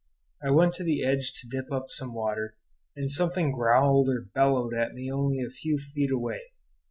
I went to the edge to dip up some water, and something growled or bellowed at me only a few feet away.